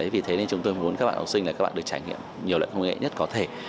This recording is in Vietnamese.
vì thế nên chúng tôi muốn các bạn học sinh là các bạn được trải nghiệm nhiều loại công nghệ nhất có thể